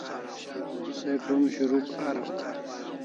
Se krom shurukh araw